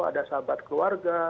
ada sahabat keluarga